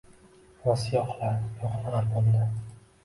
Va siyoh-la ko‘hna albomda